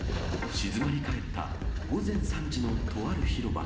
静まり返った午前３時のとある広場。